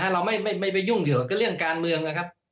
เราไม่ไปยุ่งเฉพาะเรื่องการเมืองนะครับ